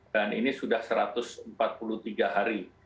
dan ini sudah satu ratus empat puluh tiga hari